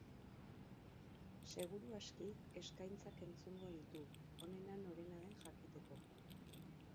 Seguru aski, eskaintzak entzungo ditu, onena norena den jakiteko.